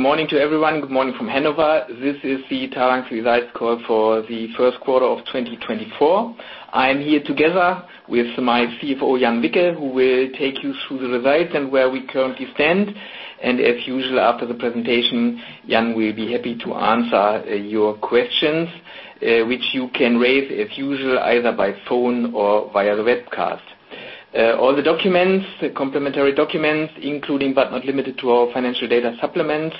Good morning to everyone. Good morning from Hanover. This is the Talanx Results call for the first quarter of 2024. I'm here together with my CFO, Jan Wicke, who will take you through the results and where we currently stand. As usual, after the presentation, Jan will be happy to answer your questions, which you can raise as usual either by phone or via the webcast. All the documents, the complementary documents, including but not limited to our financial data supplements,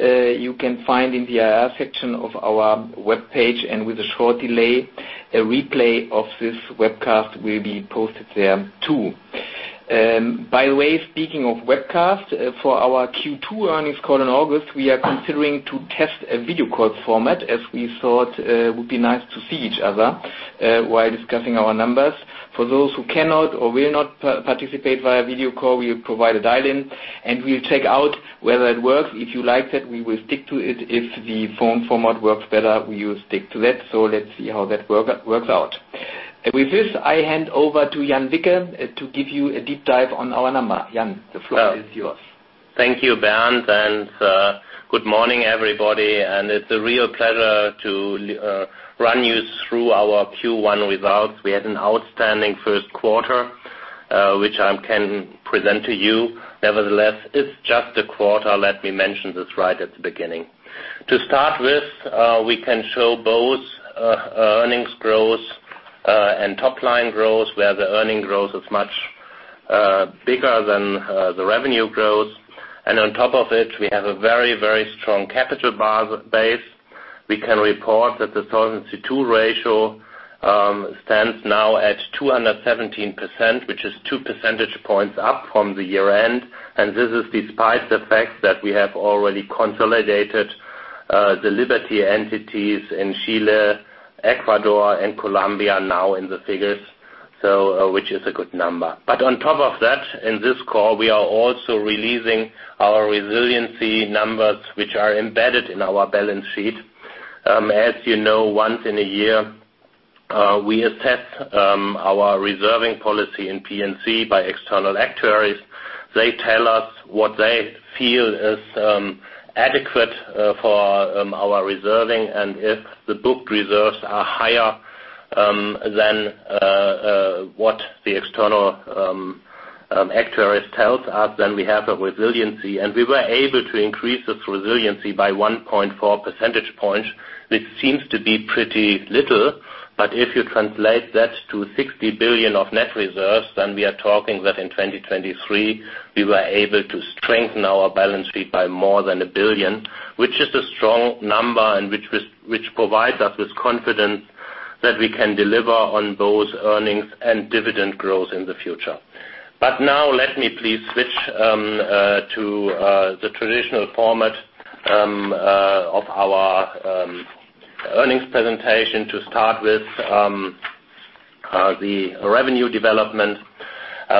you can find in the IR section of our webpage. With a short delay, a replay of this webcast will be posted there too. By the way, speaking of webcast, for our Q2 earnings call in August, we are considering to test a video call format as we thought it would be nice to see each other while discussing our numbers. For those who cannot or will not participate via video call, we will provide a dial-in, and we'll check out whether it works. If you like that, we will stick to it. If the phone format works better, we will stick to that. So let's see how that works out. With this, I hand over to Jan Wicke to give you a deep dive on our number. Jan, the floor is yours. Thank you, Bernd. Good morning, everybody. It's a real pleasure to run you through our Q1 results. We had an outstanding first quarter, which I can present to you. Nevertheless, it's just a quarter. Let me mention this right at the beginning. To start with, we can show both earnings growth and top-line growth, where the earnings growth is much bigger than the revenue growth. On top of it, we have a very, very strong capital base. We can report that the Solvency II ratio stands now at 217%, which is two percentage points up from the year-end. This is despite the fact that we have already consolidated the Liberty entities in Chile, Ecuador, and Colombia now in the figures, which is a good number. But on top of that, in this call, we are also releasing our resiliency numbers, which are embedded in our balance sheet. As you know, once a year, we assess our reserving policy in P&C by external actuaries. They tell us what they feel is adequate for our reserving. If the booked reserves are higher than what the external actuaries tell us, then we have a Resiliency. We were able to increase this Resiliency by 1.4 percentage points, which seems to be pretty little. If you translate that to 60 billion of net reserves, then we are talking that in 2023, we were able to strengthen our balance sheet by more than 1 billion, which is a strong number and which provides us with confidence that we can deliver on both earnings and dividend growth in the future. Now, let me please switch to the traditional format of our earnings presentation. To start with, the revenue development,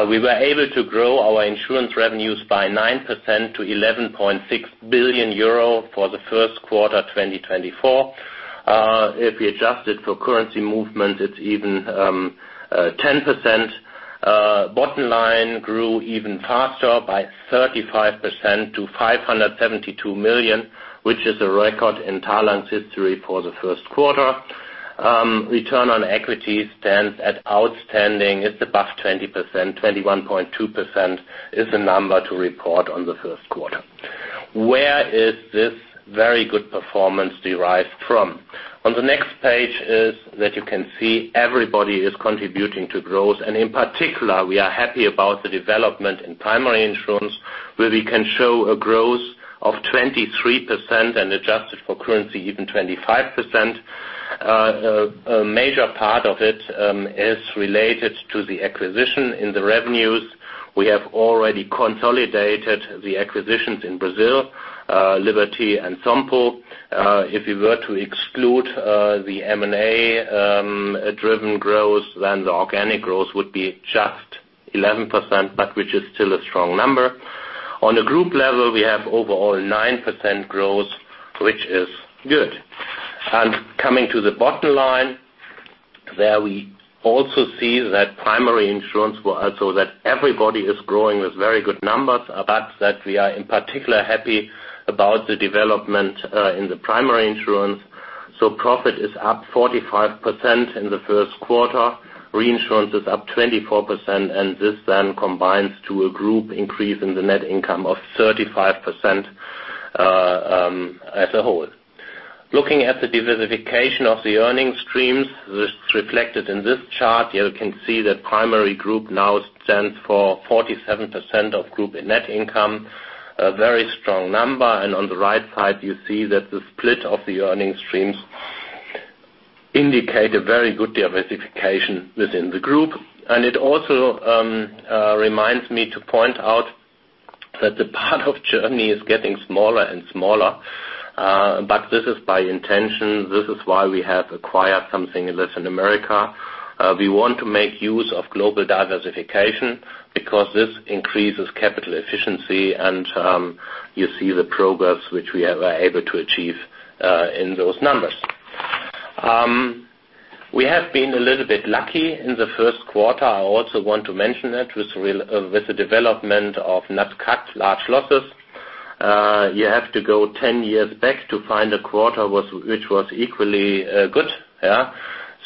we were able to grow our insurance revenues by 9% to 11.6 billion euro for the first quarter 2024. If we adjust it for currency movements, it's even 10%. Bottom line grew even faster by 35% to 572 million, which is a record in Talanx history for the first quarter. Return on equity stands at outstanding. It's above 20%. 21.2% is a number to report on the first quarter. Where is this very good performance derived from? On the next page is that you can see everybody is contributing to growth. And in particular, we are happy about the development in primary insurance, where we can show a growth of 23% and adjusted for currency even 25%. A major part of it is related to the acquisition in the revenues. We have already consolidated the acquisitions in Brazil, Liberty and Sompo. If we were to exclude the M&A-driven growth, then the organic growth would be just 11%, but which is still a strong number. On a group level, we have overall 9% growth, which is good. And coming to the bottom line, there we also see that primary insurance, so that everybody is growing with very good numbers, but that we are in particular happy about the development in the primary insurance. So profit is up 45% in the first quarter. Reinsurance is up 24%. And this then combines to a group increase in the net income of 35% as a whole. Looking at the diversification of the earnings streams, this is reflected in this chart. Here you can see that primary group now stands for 47% of group net income, a very strong number. On the right side, you see that the split of the earnings streams indicate a very good diversification within the group. It also reminds me to point out that the part of Germany is getting smaller and smaller. But this is by intention. This is why we have acquired something in Latin America. We want to make use of global diversification because this increases capital efficiency. You see the progress which we were able to achieve in those numbers. We have been a little bit lucky in the first quarter. I also want to mention that with the development of non-cat large losses, you have to go 10 years back to find a quarter which was equally good.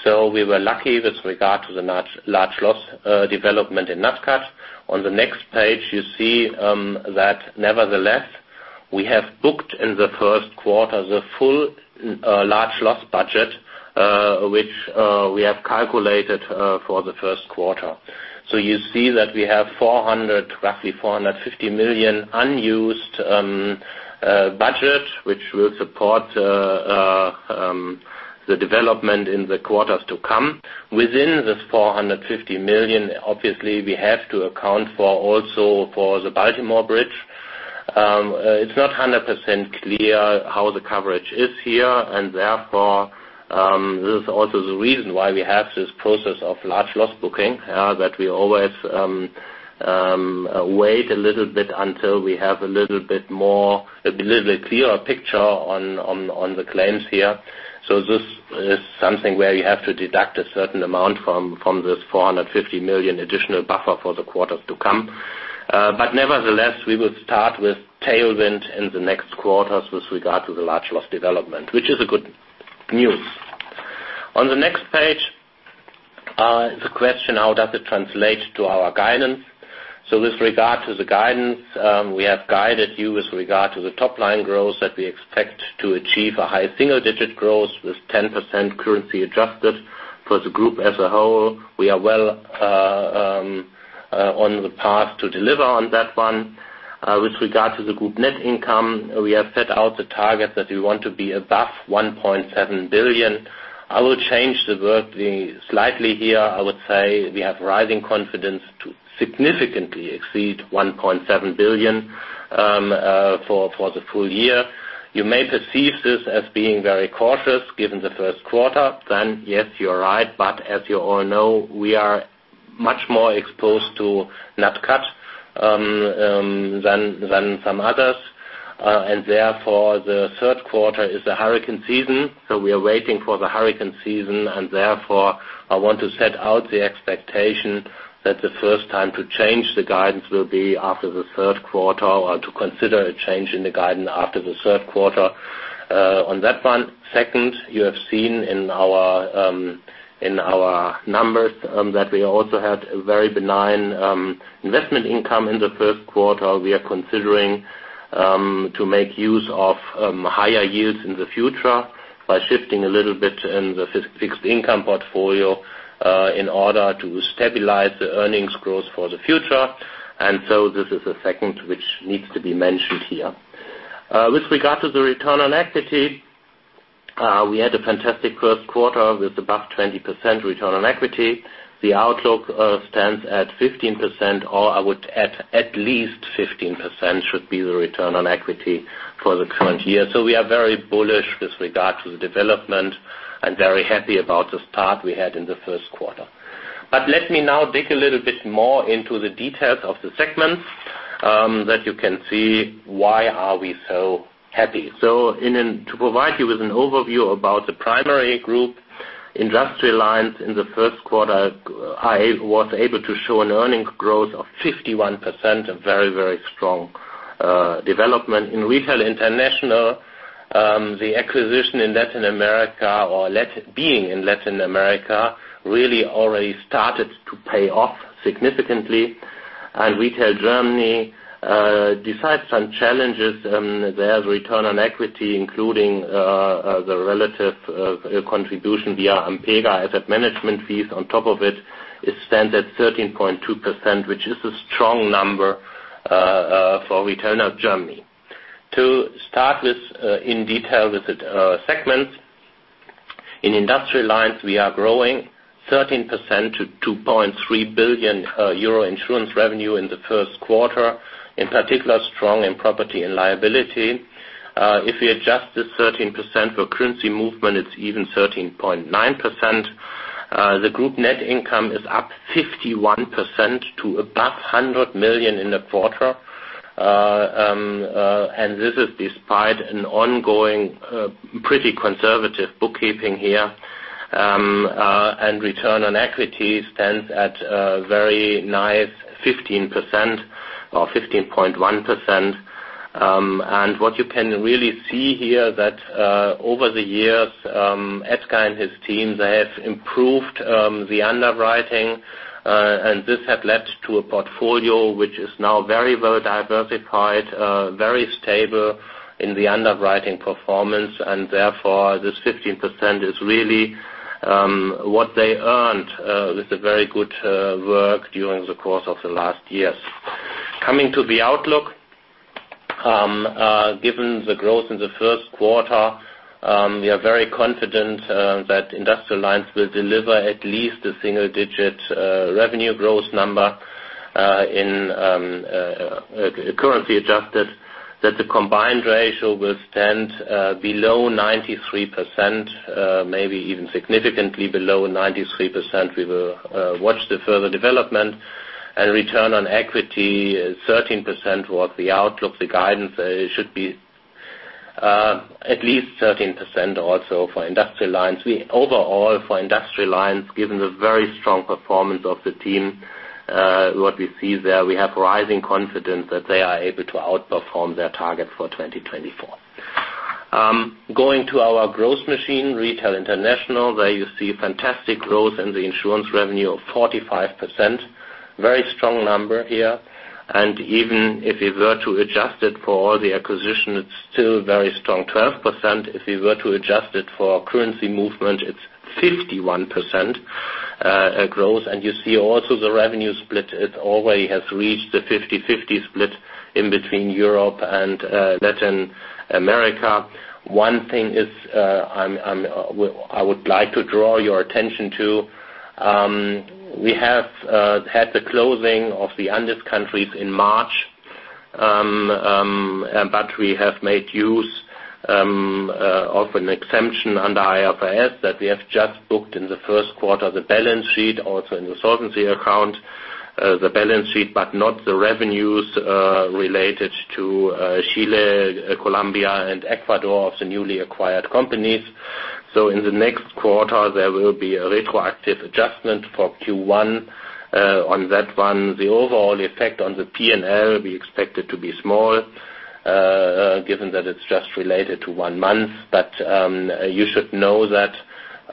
We were lucky with regard to the large loss development in non-cat. On the next page, you see that nevertheless, we have booked in the first quarter the full large loss budget, which we have calculated for the first quarter. So you see that we have roughly 450 million unused budget, which will support the development in the quarters to come. Within this 450 million, obviously, we have to account also for the Baltimore Bridge. It's not 100% clear how the coverage is here. And therefore, this is also the reason why we have this process of large loss booking, that we always wait a little bit until we have a little bit more a little bit clearer picture on the claims here. So this is something where you have to deduct a certain amount from this 450 million additional buffer for the quarters to come. But nevertheless, we will start with tailwind in the next quarters with regard to the large loss development, which is good news. On the next page, the question, how does it translate to our guidance? So with regard to the guidance, we have guided you with regard to the top-line growth that we expect to achieve a high single-digit growth with 10% currency adjusted for the group as a whole. We are well on the path to deliver on that one. With regard to the group net income, we have set out the target that we want to be above 1.7 billion. I will change the word slightly here. I would say we have rising confidence to significantly exceed 1.7 billion for the full year. You may perceive this as being very cautious given the first quarter. Then, yes, you're right. But as you all know, we are much more exposed to non-cat than some others. And therefore, the third quarter is a hurricane season. So we are waiting for the hurricane season. And therefore, I want to set out the expectation that the first time to change the guidance will be after the third quarter or to consider a change in the guidance after the third quarter on that one. Second, you have seen in our numbers that we also had a very benign investment income in the first quarter. We are considering to make use of higher yields in the future by shifting a little bit in the fixed income portfolio in order to stabilize the earnings growth for the future. And so this is the second which needs to be mentioned here. With regard to the return on equity, we had a fantastic first quarter with above 20% return on equity. The outlook stands at 15%, or I would add at least 15% should be the return on equity for the current year. So we are very bullish with regard to the development and very happy about the start we had in the first quarter. But let me now dig a little bit more into the details of the segments that you can see why are we so happy. So to provide you with an overview about the primary group, Industrial Lines in the first quarter was able to show an earnings growth of 51%, a very, very strong development. In Retail International, the acquisition in Latin America or being in Latin America really already started to pay off significantly. Retail Germany, despite some challenges there as return on equity, including the relative contribution via Ampega Asset Management fees on top of it, stands at 13.2%, which is a strong number for Retail Germany. To start in detail with the segments, in Industrial Lines, we are growing 13% to 2.3 billion euro insurance revenue in the first quarter, in particular strong in property and liability. If we adjust this 13% for currency movement, it's even 13.9%. The group net income is up 51% to above 100 million in a quarter. This is despite an ongoing pretty conservative bookkeeping here. Return on equity stands at a very nice 15% or 15.1%. What you can really see here is that over the years, Edgar and his team, they have improved the underwriting. This had led to a portfolio which is now very, very diversified, very stable in the underwriting performance. And therefore, this 15% is really what they earned with a very good work during the course of the last years. Coming to the outlook, given the growth in the first quarter, we are very confident that Industrial Lines will deliver at least a single-digit revenue growth number in currency adjusted, that the combined ratio will stand below 93%, maybe even significantly below 93%. We will watch the further development. And return on equity, 13% was the outlook. The guidance should be at least 13% also for Industrial Lines. Overall, for Industrial Lines, given the very strong performance of the team, what we see there, we have rising confidence that they are able to outperform their target for 2024. Going to our growth machine, Retail International, there you see fantastic growth in the insurance revenue of 45%, very strong number here. And even if we were to adjust it for all the acquisition, it's still very strong 12%. If we were to adjust it for currency movement, it's 51% growth. And you see also the revenue split. It already has reached the 50/50 split in between Europe and Latin America. One thing I would like to draw your attention to, we have had the closing of the Andean countries in March. But we have made use of an exemption under IFRS that we have just booked in the first quarter, the balance sheet, also in the solvency account, the balance sheet, but not the revenues related to Chile, Colombia, and Ecuador of the newly acquired companies. In the next quarter, there will be a retroactive adjustment for Q1 on that one. The overall effect on the P&L will be expected to be small given that it's just related to one month. But you should know that.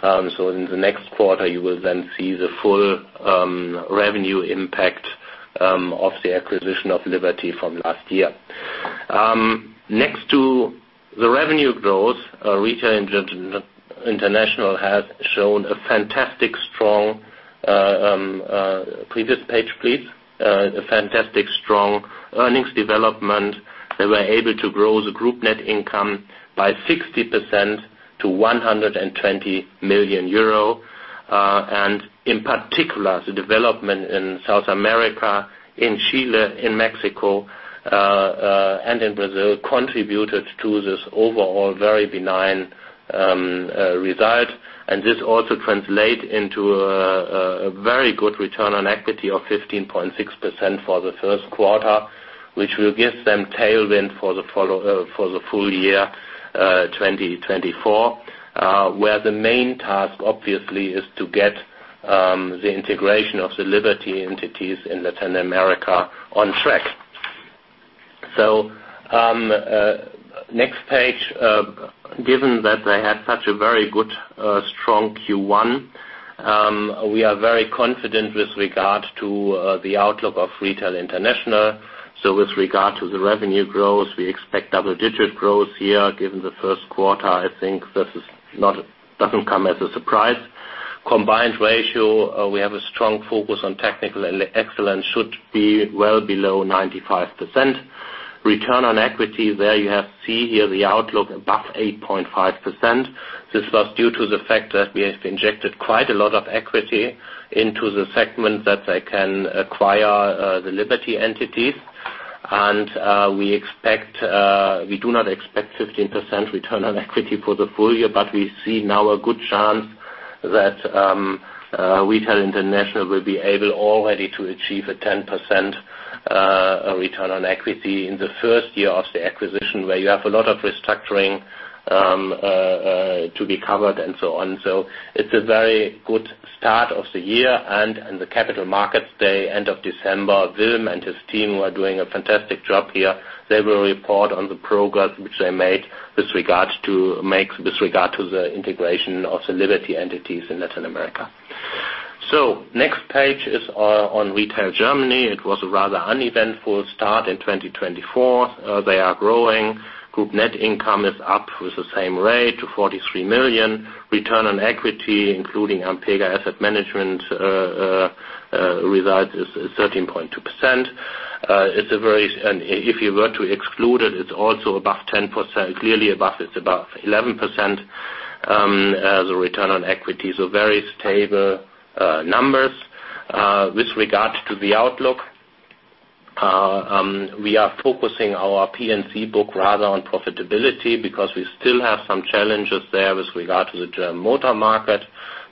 In the next quarter, you will then see the full revenue impact of the acquisition of Liberty from last year. Next to the revenue growth, Retail International has shown a fantastic strong earnings development. They were able to grow the group net income by 60% to 120 million euro. In particular, the development in South America, in Chile, in Mexico, and in Brazil contributed to this overall very benign result. This also translates into a very good return on equity of 15.6% for the first quarter, which will give them tailwind for the full year 2024, where the main task, obviously, is to get the integration of the Liberty entities in Latin America on track. So next page, given that they had such a very good strong Q1, we are very confident with regard to the outlook of Retail International. So with regard to the revenue growth, we expect double-digit growth here given the first quarter. I think this doesn't come as a surprise. Combined ratio, we have a strong focus on technical excellence, should be well below 95%. Return on equity, there you have see here the outlook above 8.5%. This was due to the fact that we have injected quite a lot of equity into the segment that they can acquire the Liberty entities. We do not expect 15% return on equity for the full year. But we see now a good chance that Retail International will be able already to achieve a 10% return on equity in the first year of the acquisition where you have a lot of restructuring to be covered and so on. So it's a very good start of the year. In the Capital Markets Day, end of December, Wilm and his team were doing a fantastic job here. They will report on the progress which they made with regard to the integration of the Liberty entities in Latin America. So next page is on Retail Germany. It was a rather uneventful start in 2024. They are growing. Group net income is up with the same rate to 43 million. Return on equity, including Ampega asset management results, is 13.2%. If you were to exclude it, it's also above 10%, clearly above. It's above 11%, the return on equity. So very stable numbers. With regard to the outlook, we are focusing our P&C book rather on profitability because we still have some challenges there with regard to the German motor market.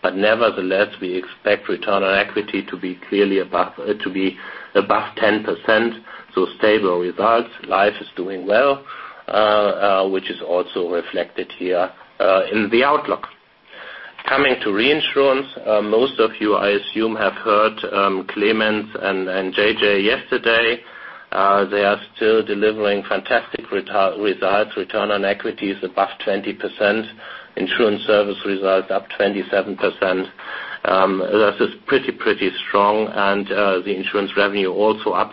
But nevertheless, we expect return on equity to be clearly above to be above 10%. So stable results. Life is doing well, which is also reflected here in the outlook. Coming to reinsurance, most of you, I assume, have heard Clemens and JJ yesterday. They are still delivering fantastic results. Return on equity is above 20%. Insurance service results up 27%. This is pretty, pretty strong. And the insurance revenue also up.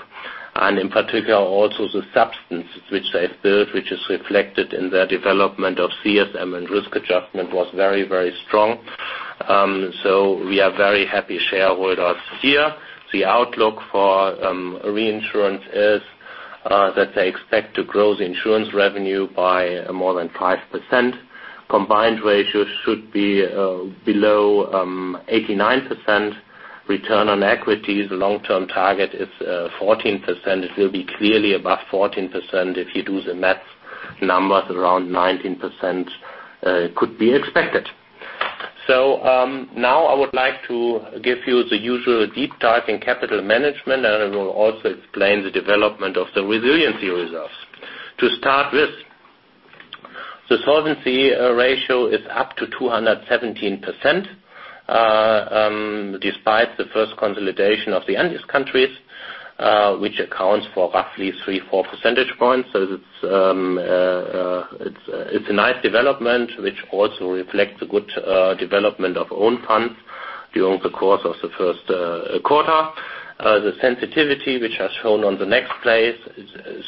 And in particular, also the substance which they've built, which is reflected in their development of CSM and risk adjustment, was very, very strong. So we are very happy shareholders here. The outlook for reinsurance is that they expect to grow the insurance revenue by more than 5%. Combined ratio should be below 89%. Return on equity, the long-term target is 14%. It will be clearly above 14%. If you do the math, numbers around 19% could be expected. Now I would like to give you the usual deep dive in capital management. I will also explain the development of the resiliency results. To start with, the solvency ratio is up to 217% despite the first consolidation of the Andean countries, which accounts for roughly 3-4 percentage points. So it's a nice development, which also reflects a good development of own funds during the course of the first quarter. The sensitivity, which has shown on the next place,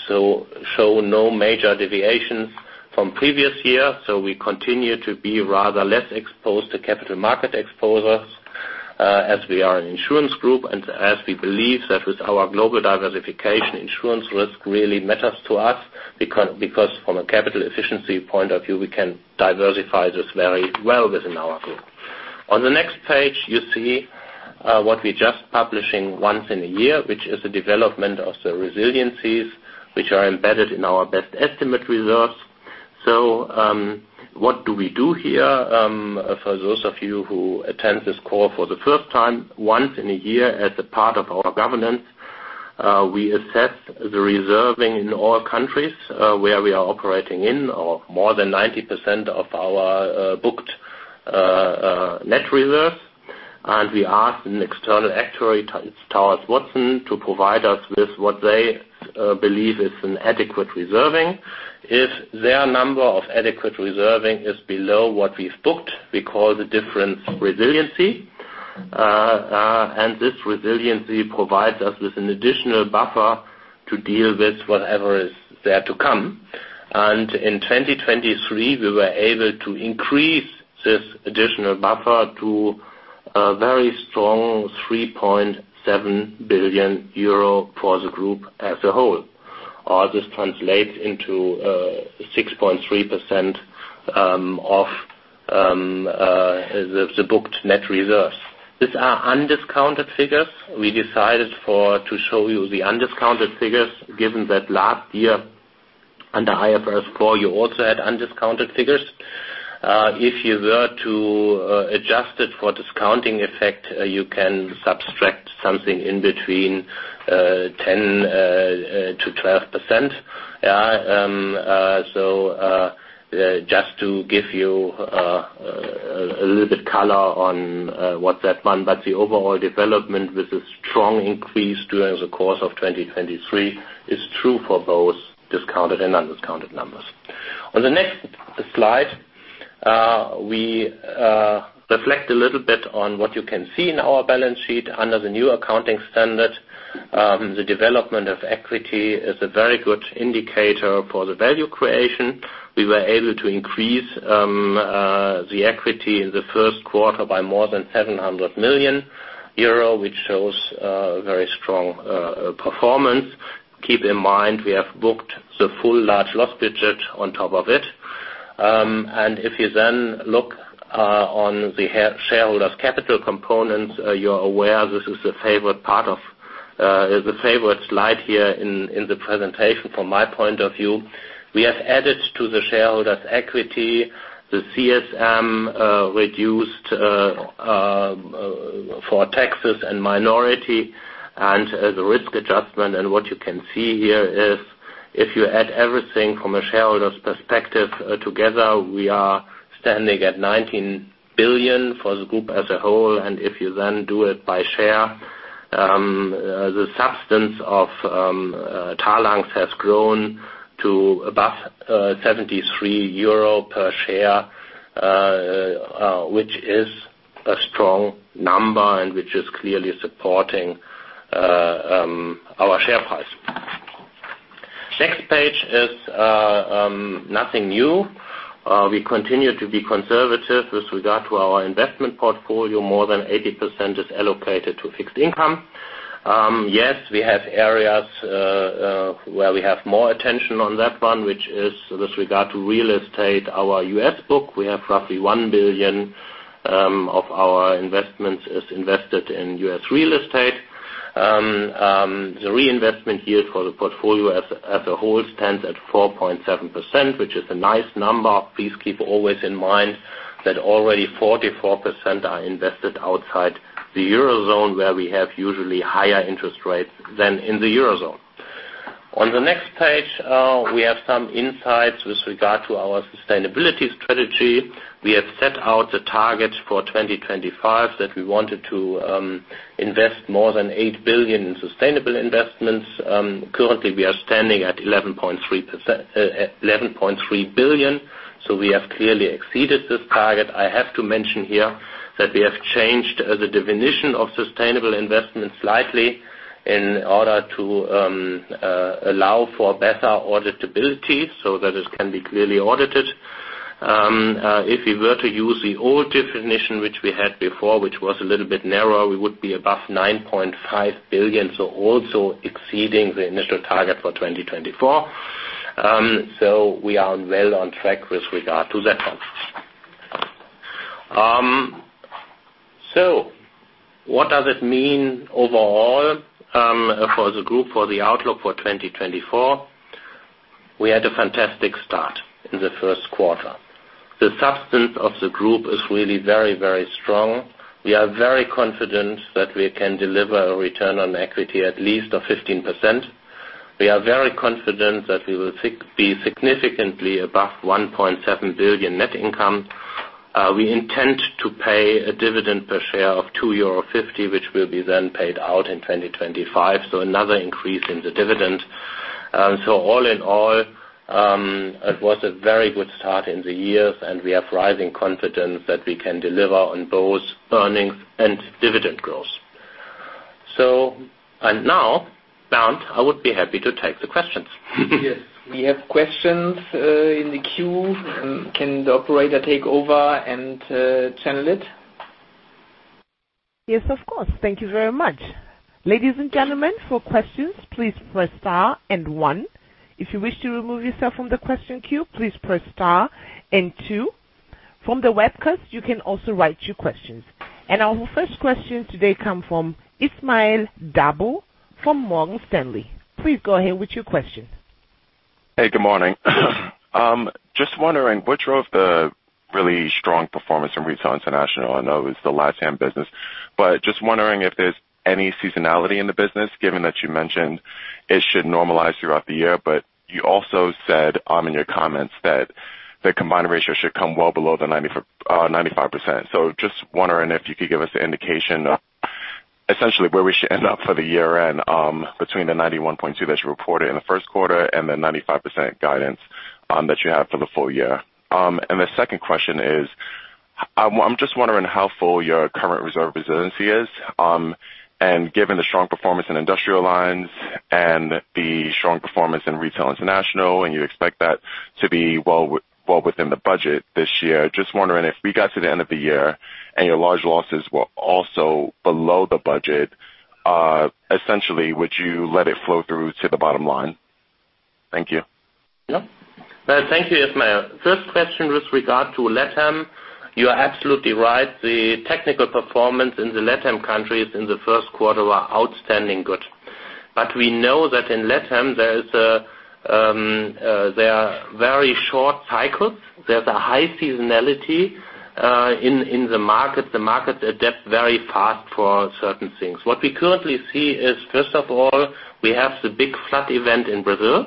so show no major deviations from previous year. We continue to be rather less exposed to capital market exposures as we are an insurance group. And as we believe that with our global diversification, insurance risk really matters to us because from a capital efficiency point of view, we can diversify this very well within our group. On the next page, you see what we're just publishing once in a year, which is the development of the resiliencies which are embedded in our best estimate results. So what do we do here? For those of you who attend this call for the first time, once in a year as a part of our governance, we assess the reserving in all countries where we are operating in or more than 90% of our booked net reserves. And we ask an external actuary, Towers Watson, to provide us with what they believe is an adequate reserving. If their number of adequate reserving is below what we've booked, we call the difference resiliency. And this resiliency provides us with an additional buffer to deal with whatever is there to come. And in 2023, we were able to increase this additional buffer to a very strong 3.7 billion euro for the group as a whole. All this translates into 6.3% of the booked net reserves. These are undiscounted figures. We decided to show you the undiscounted figures given that last year under IFRS 4, you also had undiscounted figures. If you were to adjust it for discounting effect, you can subtract something in between 10%-12%. So just to give you a little bit color on what that means but the overall development with a strong increase during the course of 2023 is true for both discounted and undiscounted numbers. On the next slide, we reflect a little bit on what you can see in our balance sheet under the new accounting standard. The development of equity is a very good indicator for the value creation. We were able to increase the equity in the first quarter by more than 700 million euro, which shows very strong performance. Keep in mind, we have booked the full large loss budget on top of it. If you then look on the shareholders' capital components, you're aware, this is the favorite part of the favorite slide here in the presentation from my point of view. We have added to the shareholders' equity the CSM reduced for taxes and minority and the risk adjustment. What you can see here is if you add everything from a shareholders' perspective together, we are standing at 19 billion for the group as a whole. If you then do it by share, the substance of Talanx has grown to above 73 euro per share, which is a strong number and which is clearly supporting our share price. Next page is nothing new. We continue to be conservative with regard to our investment portfolio. More than 80% is allocated to fixed income. Yes, we have areas where we have more attention on that one, which is with regard to real estate, our US book. We have roughly 1 billion of our investments is invested in US real estate. The reinvestment yield for the portfolio as a whole stands at 4.7%, which is a nice number. Please keep always in mind that already 44% are invested outside the eurozone where we have usually higher interest rates than in the eurozone. On the next page, we have some insights with regard to our sustainability strategy. We have set out the target for 2025 that we wanted to invest more than 8 billion in sustainable investments. Currently, we are standing at 11.3 billion. So we have clearly exceeded this target. I have to mention here that we have changed the definition of sustainable investment slightly in order to allow for better auditability so that it can be clearly audited. If we were to use the old definition, which we had before, which was a little bit narrower, we would be above 9.5 billion, so also exceeding the initial target for 2024. So we are well on track with regard to that one. So what does it mean overall for the group, for the outlook for 2024? We had a fantastic start in the first quarter. The substance of the group is really very, very strong. We are very confident that we can deliver a return on equity at least of 15%. We are very confident that we will be significantly above 1.7 billion net income. We intend to pay a dividend per share of 2.50 euro, which will be then paid out in 2025. Another increase in the dividend. All in all, it was a very good start in the year. We have rising confidence that we can deliver on both earnings and dividend growth. Now, Bernd, I would be happy to take the questions. Yes. We have questions in the queue. Can the operator take over and channel it? Yes, of course. Thank you very much. Ladies and gentlemen, for questions, please press star and one. If you wish to remove yourself from the question queue, please press star and two. From the webcast, you can also write your questions. And our first question today comes from Ismael Dabo from Morgan Stanley. Please go ahead with your question. Hey, good morning. Just wondering, while the really strong performance in Retail International I know is the Latin America business. But just wondering if there's any seasonality in the business given that you mentioned it should normalize throughout the year. But you also said in your comments that the Combined Ratio should come well below the 95%. So just wondering if you could give us an indication of essentially where we should end up for the year-end between the 91.2% that you reported in the first quarter and the 95% guidance that you have for the full year. And the second question is, I'm just wondering how full your current reserve resiliency is. And given the strong performance in Industrial Lines and the strong performance in Retail International, and you expect that to be well within the budget this year, just wondering, if we got to the end of the year and your large losses were also below the budget, essentially, would you let it flow through to the bottom line? Thank you. Yep. Thank you, Ismail. First question with regard to LATAM. You are absolutely right. The technical performance in the LATAM countries in the first quarter were outstanding good. But we know that in LATAM, there are very short cycles. There's a high seasonality in the markets. The markets adapt very fast for certain things. What we currently see is, first of all, we have the big flood event in Brazil.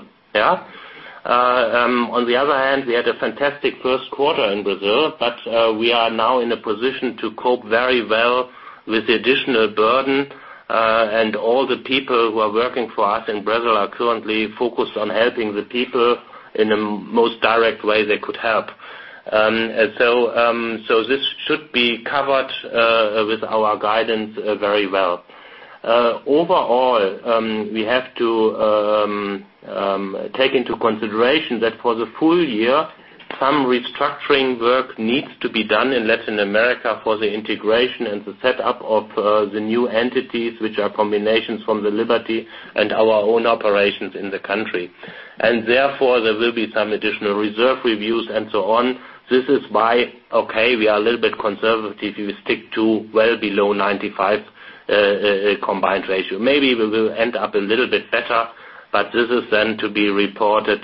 On the other hand, we had a fantastic first quarter in Brazil. But we are now in a position to cope very well with the additional burden. And all the people who are working for us in Brazil are currently focused on helping the people in the most direct way they could help. So this should be covered with our guidance very well. Overall, we have to take into consideration that for the full year, some restructuring work needs to be done in Latin America for the integration and the setup of the new entities, which are combinations from the Liberty and our own operations in the country. And therefore, there will be some additional reserve reviews and so on. This is why, okay, we are a little bit conservative if we stick to well below 95 Combined Ratio. Maybe we will end up a little bit better. But this is then to be reported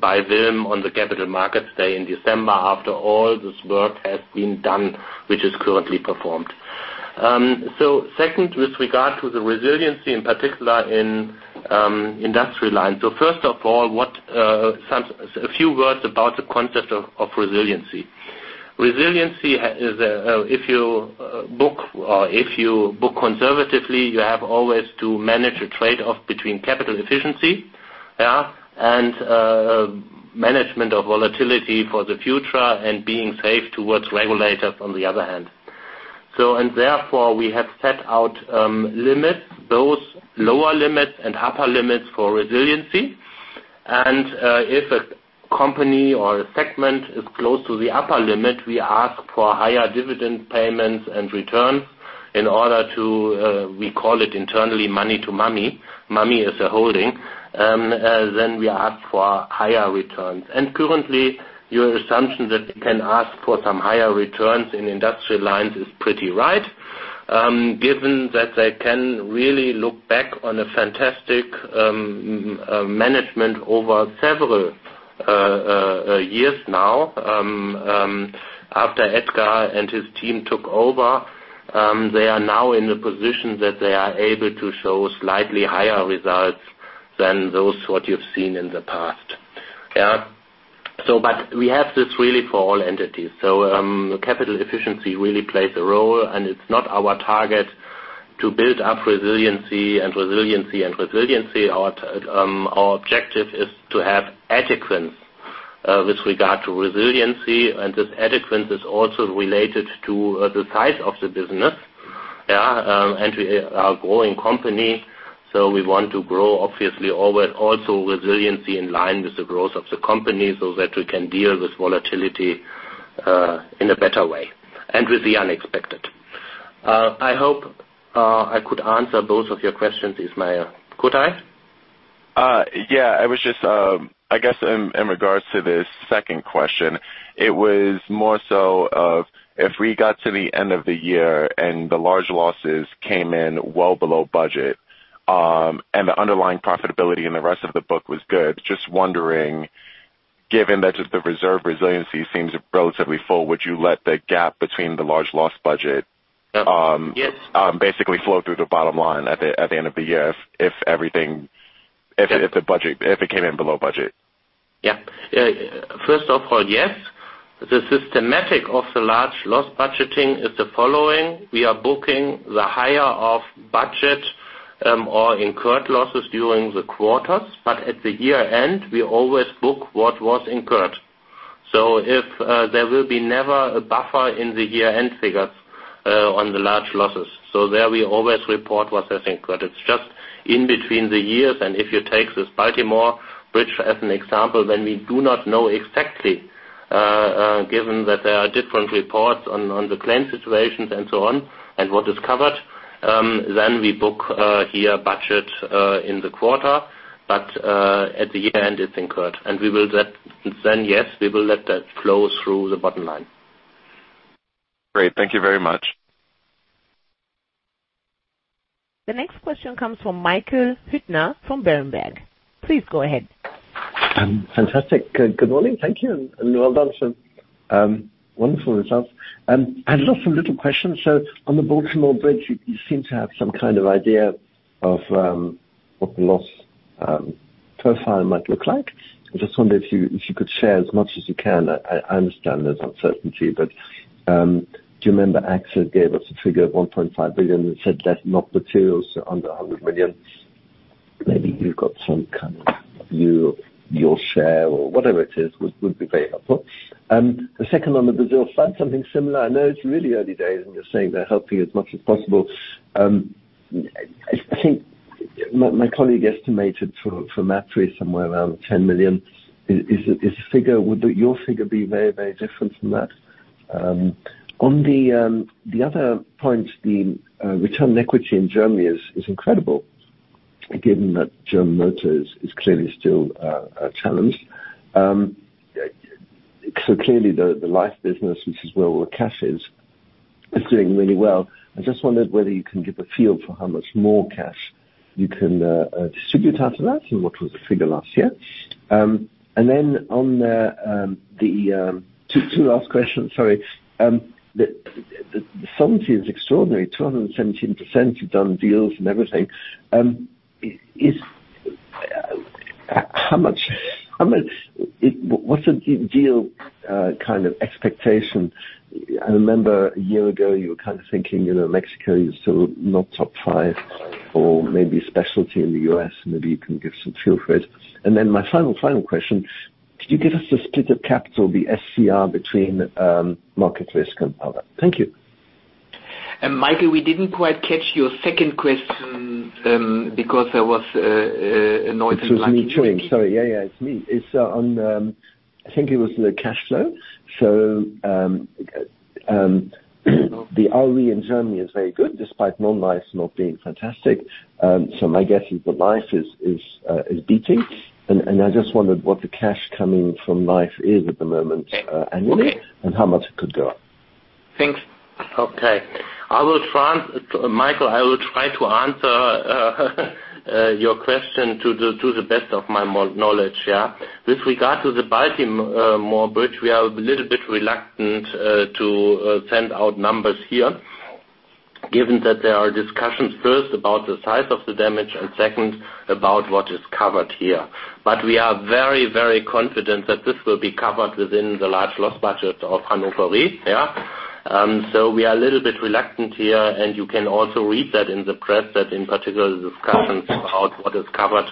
by Wilm on the Capital Markets Day in December. After all, this work has been done, which is currently performed. So second, with regard to the resiliency, in particular in Industrial Lines. So first of all, a few words about the concept of resiliency. Resiliency is, if you book or if you book conservatively, you have always to manage a trade-off between capital efficiency and management of volatility for the future and being safe towards regulators on the other hand. And therefore, we have set out limits, both lower limits and upper limits for resiliency. And if a company or a segment is close to the upper limit, we ask for higher dividend payments and returns in order to, we call it internally, money to mummy. Mummy is a holding. Then we ask for higher returns. Currently, your assumption that we can ask for some higher returns in Industrial Lines is pretty right given that they can really look back on a fantastic management over several years now. After Edgar and his team took over, they are now in a position that they are able to show slightly higher results than those what you've seen in the past. But we have this really for all entities. Capital efficiency really plays a role. It's not our target to build up resiliency and resiliency and resiliency. Our objective is to have adequacy with regard to resiliency. This adequacy is also related to the size of the business. We are a growing company. We want to grow, obviously, also resiliency in line with the growth of the company so that we can deal with volatility in a better way and with the unexpected. I hope I could answer both of your questions, Ismail. Could I? Yeah. I guess in regards to the second question, it was more so of if we got to the end of the year and the large losses came in well below budget and the underlying profitability in the rest of the book was good, just wondering, given that the reserve resiliency seems relatively full, would you let the gap between the large loss budget basically flow through the bottom line at the end of the year if everything if the budget if it came in below budget? Yeah. First of all, yes. The systematic of the large loss budgeting is the following. We are booking the higher of budget or incurred losses during the quarters. But at the year-end, we always book what was incurred. So there will be never a buffer in the year-end figures on the large losses. So there, we always report what has incurred. It's just in between the years. And if you take this Baltimore Bridge as an example, then we do not know exactly given that there are different reports on the claim situations and so on and what is covered, then we book here budget in the quarter. But at the year-end, it's incurred. And then, yes, we will let that flow through the bottom line. Great. Thank you very much. The next question comes from Michael Huttner from Berenberg. Please go ahead. Fantastic. Good morning. Thank you. And well done, Tim. Wonderful results. I have lots of little questions. So on the Baltimore Bridge, you seem to have some kind of idea of what the loss profile might look like. I just wonder if you could share as much as you can. I understand there's uncertainty. But do you remember AXA gave us a figure of 1.5 billion and said, "Let's knock materials to under 100 million"? Maybe you've got some kind of view, your share, or whatever it is would be very helpful. The second on the Brazil side, something similar. I know it's really early days, and you're saying they're helping as much as possible. I think my colleague estimated for Talanx somewhere around 10 million. Would your figure be very, very different from that? On the other point, the return on equity in Germany is incredible given that German motor is clearly still a challenge. So clearly, the life business, which is where all the cash is, is doing really well. I just wondered whether you can give a feel for how much more cash you can distribute out of that. And what was the figure last year? And then on the two last questions, sorry. The solvency is extraordinary. 217%. You've done deals and everything. What's the deal kind of expectation? I remember a year ago, you were kind of thinking Mexico is still not top five or maybe specialty in the U.S. Maybe you can give some feel for it. And then my final, final question, could you give us the split of capital, the SCR, between market risk and power? Thank you. Michael, we didn't quite catch your second question because there was a noise in the microphone. It was me chewing. Sorry. Yeah, yeah. It's me. I think it was the cash flow. So the ROE in Germany is very good despite non-life not being fantastic. So my guess is the life is beating. And I just wondered what the cash coming from life is at the moment annually and how much it could go up. Thanks. Okay. Michael, I will try to answer your question to the best of my knowledge. With regard to the Baltimore Bridge, we are a little bit reluctant to send out numbers here given that there are discussions first about the size of the damage and second about what is covered here. But we are very, very confident that this will be covered within the large loss budget of Hannover Re. So we are a little bit reluctant here. You can also read that in the press that, in particular, the discussions about what is covered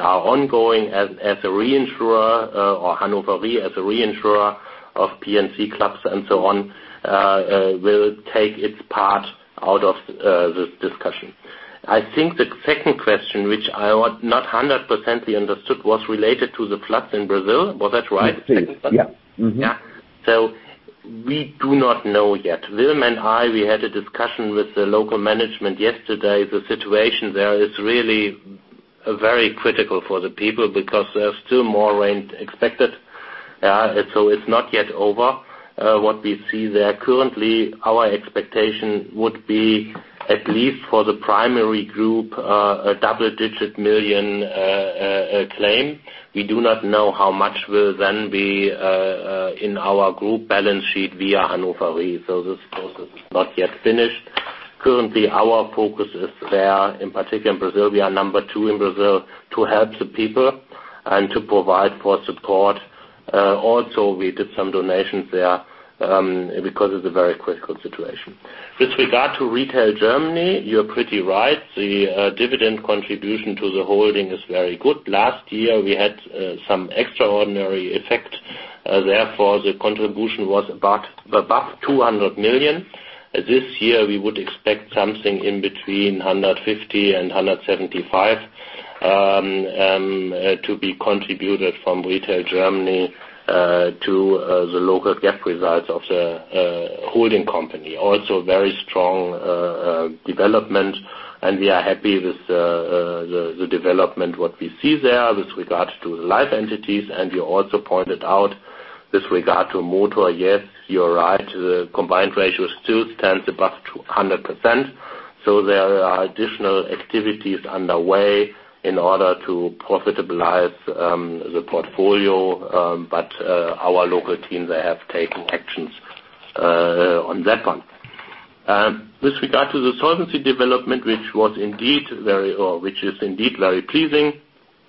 are ongoing as a reinsurer or Hannover Re as a reinsurer of P&C clubs and so on will take its part out of this discussion. I think the second question, which I not 100% understood, was related to the floods in Brazil. Was that right? The second question? Yep. Yep. So we do not know yet. Wilm and I, we had a discussion with the local management yesterday. The situation there is really very critical for the people because there's still more rain expected. So it's not yet over what we see there. Currently, our expectation would be, at least for the primary group, a double-digit million EUR claim. We do not know how much will then be in our group balance sheet via Hannover Re. So this process is not yet finished. Currently, our focus is there. In particular, in Brazil, we are number two in Brazil to help the people and to provide for support. Also, we did some donations there because it's a very critical situation. With regard to Retail Germany, you're pretty right. The dividend contribution to the holding is very good. Last year, we had some extraordinary effect. Therefore, the contribution was above 200 million. This year, we would expect something between 150 million and 175 million to be contributed from Retail Germany to the local GAAP results of the holding company. Also, very strong development. And we are happy with the development what we see there with regard to the life entities. And you also pointed out with regard to motor, yes, you're right. The combined ratio still stands above 100%. So there are additional activities underway in order to profitabilize the portfolio. But our local teams, they have taken actions on that one. With regard to the solvency development, which is indeed very pleasing.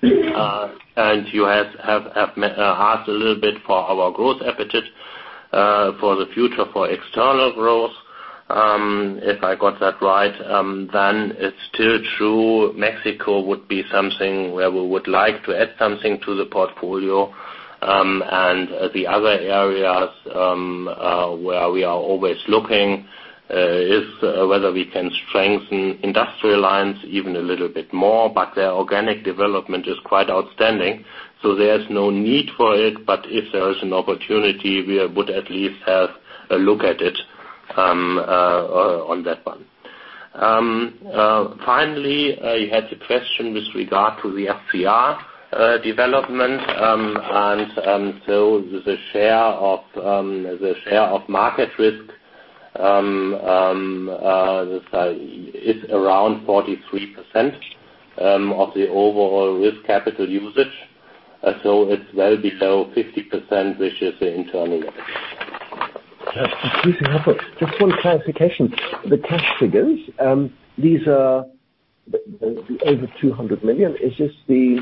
You have asked a little bit for our growth appetite for the future for external growth. If I got that right, then it's still true. Mexico would be something where we would like to add something to the portfolio. The other areas where we are always looking is whether we can strengthen Industrial Lines even a little bit more. But their organic development is quite outstanding. So there's no need for it. But if there is an opportunity, we would at least have a look at it on that one. Finally, you had the question with regard to the SCR development. So the share of the share of market risk is around 43% of the overall risk capital usage. So it's well below 50%, which is the internal level. That's pleasing. Just one clarification. The cash figures, these are over 200 million. Is this the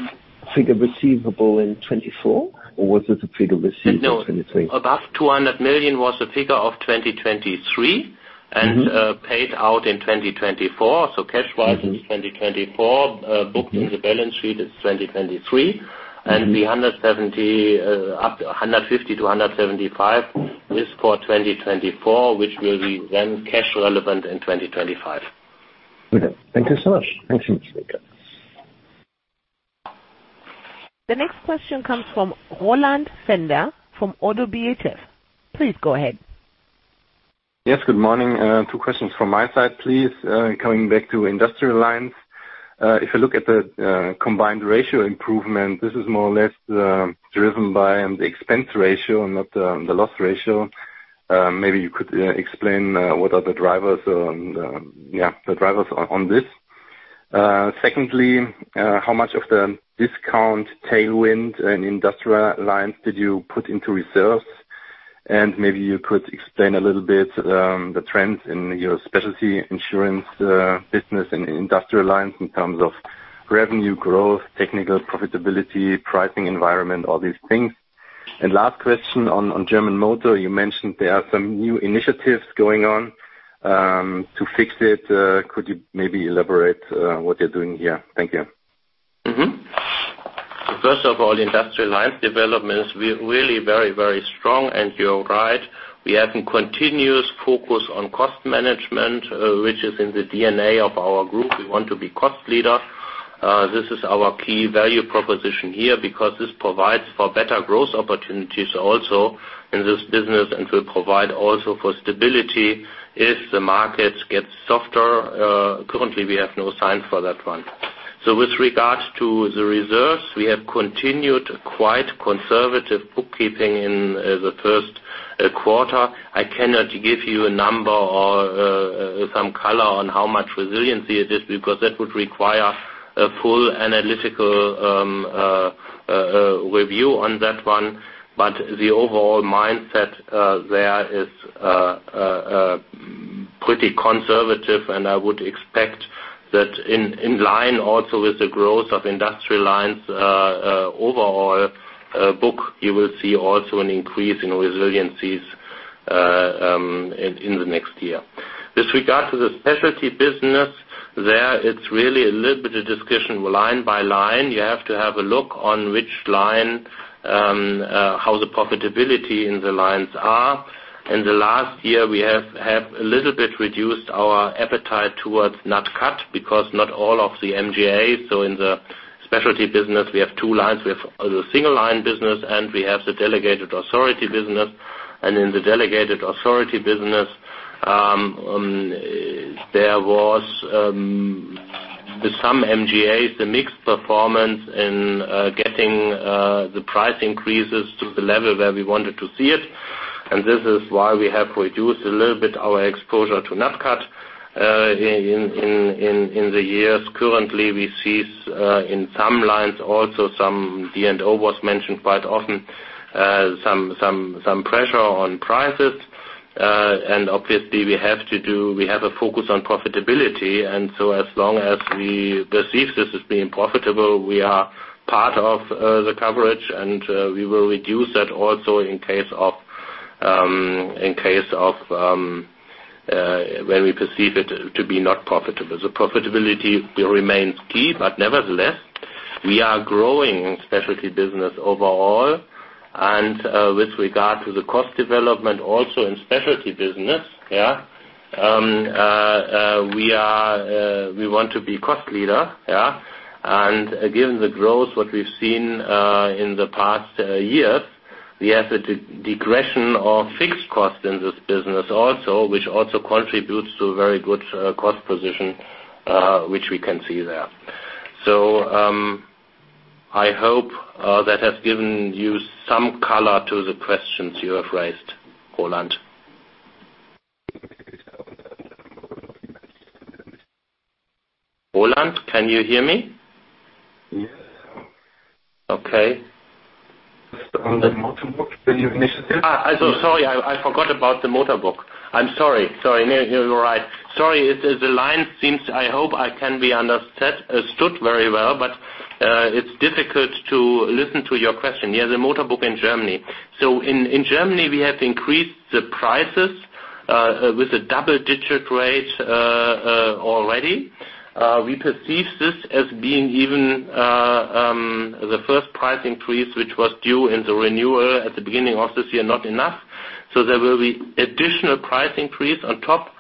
figure receivable in 2024, or was this a figure received in 2023? No. Above 200 million was the figure of 2023 and paid out in 2024. So cash-wise, it's 2024. Booked in the balance sheet, it's 2023. And the 150-175 million is for 2024, which will be then cash relevant in 2025. Okay. Thank you so much. Thanks so much, Michael. The next question comes from Roland Pfänder from ODDO BHF. Please go ahead. Yes. Good morning. Two questions from my side, please. Coming back to Industrial Lines, if you look at the Combined Ratio improvement, this is more or less driven by the expense ratio and not the loss ratio. Maybe you could explain what are the drivers, yeah, the drivers on this. Secondly, how much of the discount tailwind in industrial lines did you put into reserves? And maybe you could explain a little bit the trends in your specialty insurance business and industrial lines in terms of revenue, growth, technical profitability, pricing environment, all these things. And last question on German motor. You mentioned there are some new initiatives going on to fix it. Could you maybe elaborate what you're doing here? Thank you. First of all, the industrial lines development is really very, very strong. And you're right. We have a continuous focus on cost management, which is in the DNA of our group. We want to be cost leader. This is our key value proposition here because this provides for better growth opportunities also in this business and will provide also for stability if the markets get softer. Currently, we have no signs for that one. With regard to the reserves, we have continued quite conservative bookkeeping in the first quarter. I cannot give you a number or some color on how much resiliency it is because that would require a full analytical review on that one. The overall mindset there is pretty conservative. I would expect that in line also with the growth of industrial lines overall book, you will see also an increase in resiliencies in the next year. With regard to the specialty business, there, it's really a little bit of discussion line by line. You have to have a look on which line, how the profitability in the lines are. In the last year, we have a little bit reduced our appetite towards non-cat because not all of the MGAs. So in the specialty business, we have two lines. We have the single-line business, and we have the delegated authority business. And in the delegated authority business, there was, with some MGAs, the mixed performance in getting the price increases to the level where we wanted to see it. And this is why we have reduced a little bit our exposure to non-cat in the years. Currently, we see in some lines also some D&O was mentioned quite often, some pressure on prices. And obviously, we have we have a focus on profitability. And so as long as we perceive this as being profitable, we are part of the coverage. We will reduce that also in case of when we perceive it to be not profitable. Profitability remains key. Nevertheless, we are growing specialty business overall. With regard to the cost development also in specialty business, yeah, we want to be cost leader. And given the growth what we've seen in the past years, we have a degression of fixed costs in this business also, which also contributes to a very good cost position, which we can see there. So I hope that has given you some color to the questions you have raised, Roland. Roland, can you hear me? Yes. Okay. On the motorbook, the new initiative? Sorry. I forgot about the motorbook. I'm sorry. Sorry. You're right. Sorry. The line seems I hope I can be understood very well. But it's difficult to listen to your question. Yeah. The motorbook in Germany. So in Germany, we have increased the prices with a double-digit rate already. We perceive this as being even the first price increase, which was due in the renewal at the beginning of this year, not enough. So there will be additional price increase on top.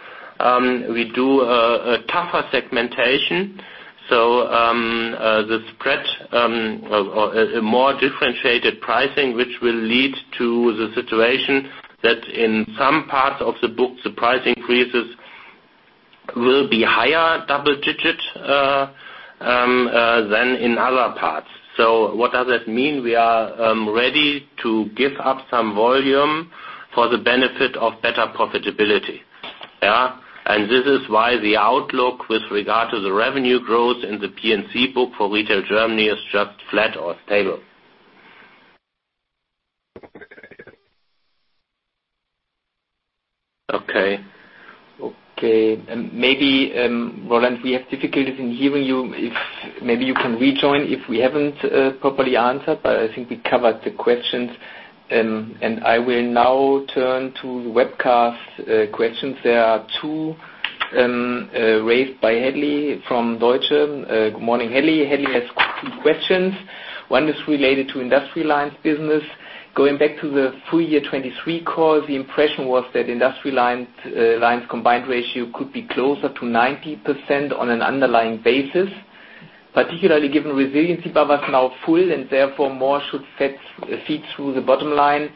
We do a tougher segmentation. So the spread or more differentiated pricing, which will lead to the situation that in some parts of the book, the price increases will be higher double-digit than in other parts. So what does that mean? We are ready to give up some volume for the benefit of better profitability. And this is why the outlook with regard to the revenue growth in the P&C book for Retail Germany is just flat or stable. Okay. Okay. And maybe, Roland, we have difficulties in hearing you. Maybe you can rejoin if we haven't properly answered. But I think we covered the questions. I will now turn to the webcast questions. There are two raised by Hadley from Deutsche Bank. Good morning, Hadley. Hadley has two questions. One is related to industrial lines business. Going back to the full year 2023 call, the impression was that industrial lines combined ratio could be closer to 90% on an underlying basis, particularly given resiliency buckets now full and therefore more should feed through the bottom line.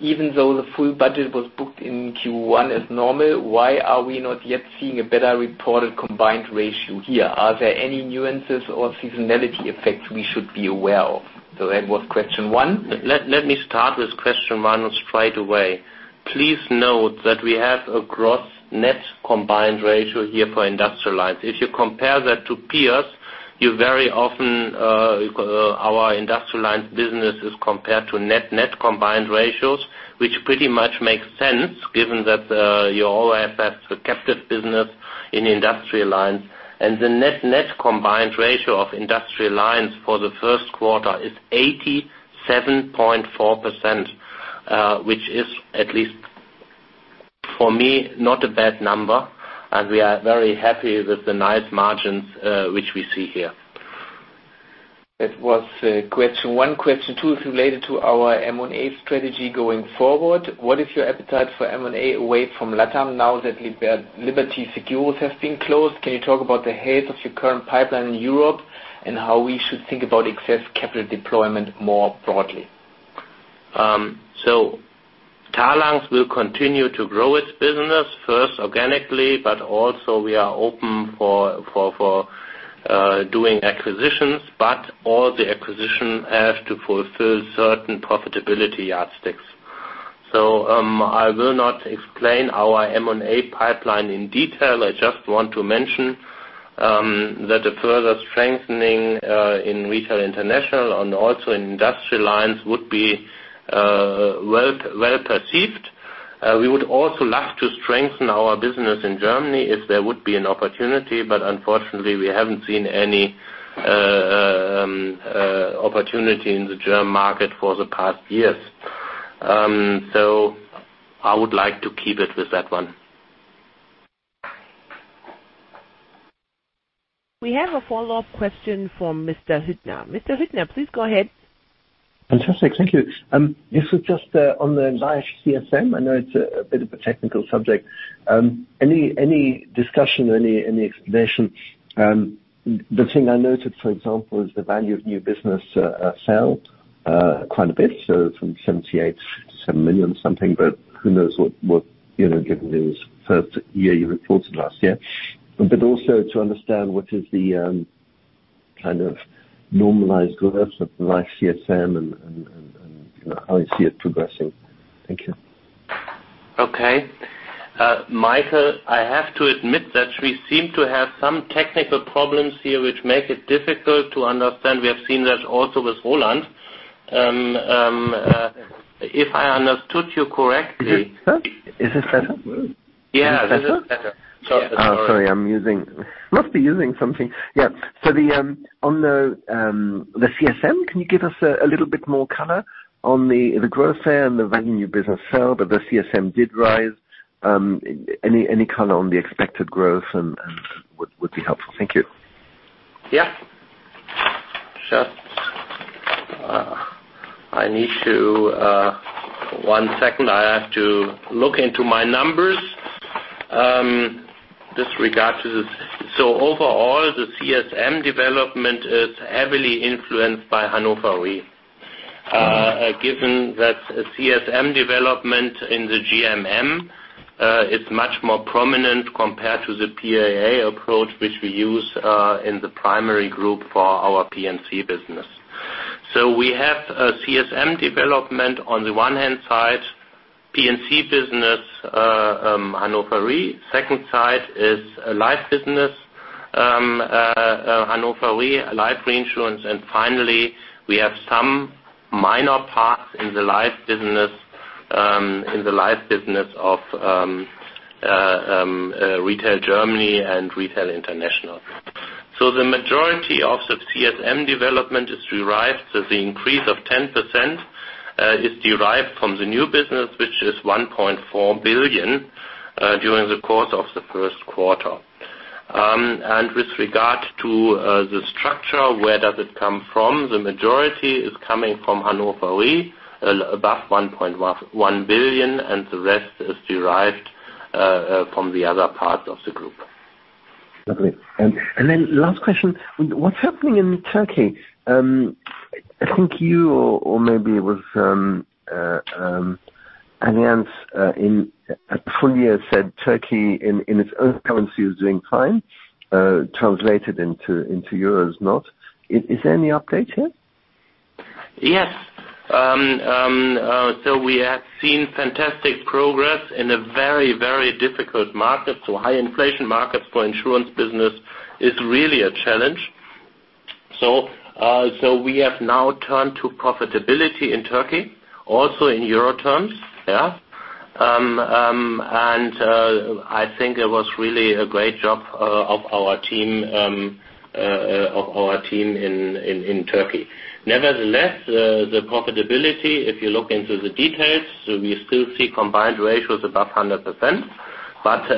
Even though the full budget was booked in Q1 as normal, why are we not yet seeing a better reported combined ratio here? Are there any nuances or seasonality effects we should be aware of? So that was question one. Let me start with question one straight away. Please note that we have a gross/net combined ratio here for industrial lines. If you compare that to peers, you very often our Industrial Lines business is compared to net-net combined ratios, which pretty much makes sense given that you always have a captive business in Industrial Lines. The net-net combined ratio of Industrial Lines for the first quarter is 87.4%, which is at least for me, not a bad number. We are very happy with the nice margins which we see here. That was question one. Question two is related to our M&A strategy going forward. What is your appetite for M&A away from LATAM now that Liberty Seguros has been closed? Can you talk about the health of your current pipeline in Europe and how we should think about excess capital deployment more broadly? Talanx will continue to grow its business first organically. But also, we are open for doing acquisitions. But all the acquisition has to fulfill certain profitability yardsticks. So I will not explain our M&A pipeline in detail. I just want to mention that a further strengthening in Retail International and also in Industrial Lines would be well perceived. We would also love to strengthen our business in Germany if there would be an opportunity. But unfortunately, we haven't seen any opportunity in the German market for the past years. So I would like to keep it with that one. We have a follow-up question from Mr. Huttner. Mr. Huttner, please go ahead. Fantastic. Thank you. This is just on the live CSM. I know it's a bit of a technical subject. Any discussion or any explanation? The thing I noted, for example, is the value of new business fell quite a bit, so from 78 million to 7 million something. But who knows what given this first year you reported last year? But also to understand what is the kind of normalized growth of the life CSM and how you see it progressing. Thank you. Okay. Michael, I have to admit that we seem to have some technical problems here which make it difficult to understand. We have seen that also with Roland. If I understood you correctly. Is this better? Yeah. Is this better? Sorry. I'm using must be using something. Yeah. So on the CSM, can you give us a little bit more color on the growth there and the value of new business fell, but the CSM did rise? Any color on the expected growth would be helpful. Thank you. Yeah. Just I need to one second. I have to look into my numbers with regard to this. So overall, the CSM development is heavily influenced by Hannover Re, given that CSM development in the GMM is much more prominent compared to the PAA approach which we use in the primary group for our P&C business. So we have CSM development on the one hand side, P&C business, Hannover Re. Second side is life business, Hannover Re, life reinsurance. And finally, we have some minor parts in the life business in the life business of Retail Germany and Retail International. So the majority of the CSM development is derived. So the increase of 10% is derived from the new business, which is 1.4 billion during the course of the first quarter. And with regard to the structure, where does it come from? The majority is coming from Hannover Re, above 1.1 billion. And the rest is derived from the other parts of the group. Okay. Then last question. What's happening in Turkey? I think you or maybe it was Allianz full year said Turkey in its own currency is doing fine, translated into euros not. Is there any update here? Yes. So we have seen fantastic progress in a very, very difficult market. So high inflation markets for insurance business is really a challenge. So we have now turned to profitability in Turkey, also in euro terms. Yeah. And I think it was really a great job of our team of our team in Turkey. Nevertheless, the profitability, if you look into the details, so we still see Combined Ratios above 100%. But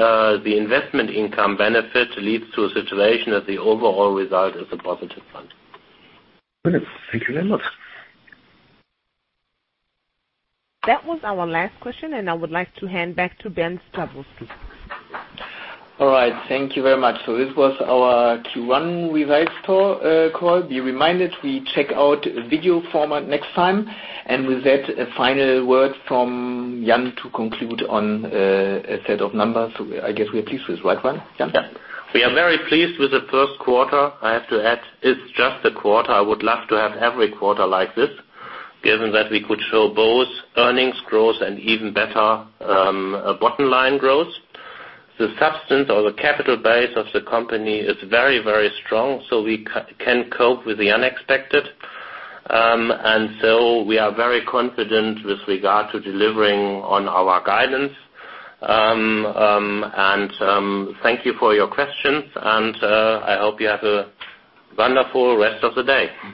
the investment income benefit leads to a situation that the overall result is a positive one. Good. Thank you very much. That was our last question. And I would like to hand back to Bernd Sablowsky. All right. Thank you very much. So this was our Q1 revise call. Be reminded we check out video format next time. And with that, a final word from Jan to conclude on a set of numbers. I guess we are pleased with the right one, Jan? Yeah. We are very pleased with the first quarter, I have to add. It's just a quarter. I would love to have every quarter like this given that we could show both earnings growth and even better bottom line growth. The substance or the capital base of the company is very, very strong. So we can cope with the unexpected. And so we are very confident with regard to delivering on our guidance. And thank you for your questions. And I hope you have a wonderful rest of the day.